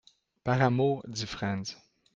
Par amour, dit Frantz.